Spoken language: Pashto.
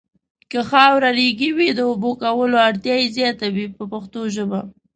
که خاوره ریګي وي د اوبو کولو اړتیا یې زیاته وي په پښتو ژبه.